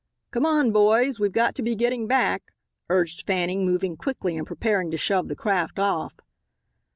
"Come on, boys, we've got to be getting back," urged Fanning moving quickly and preparing to shove the craft off.